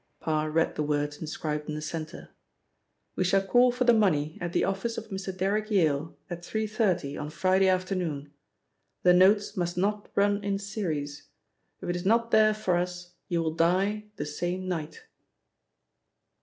Parr read the words inscribed in the centre: 'We shall call for the money at the office of Mr. Derrick Yale at 3.30 on Friday afternoon. The notes must not run in series. If it is not there for us, you will die the same night.'